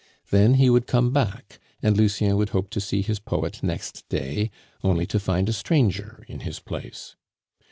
Then he would come back, and Lucien would hope to see his poet next day, only to find a stranger in his place.